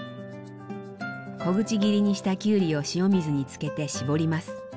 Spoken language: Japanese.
小口切りにしたきゅうりを塩水に漬けて絞ります。